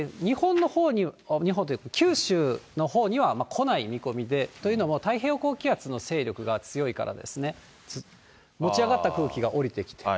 日本というか、九州のほうには来ない見込みで、というのも太平洋高気圧の勢力が強いからですね、持ち上がった空気が降りてきて。